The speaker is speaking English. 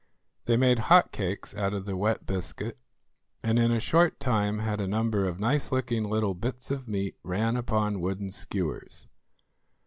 They made hot cakes out of the wet biscuit, and in a short time had a number of nice looking little bits of meat ran upon wooden skewers.